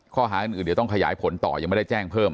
ข้อหาอื่นเดี๋ยวต้องขยายผลต่อยังไม่ได้แจ้งเพิ่ม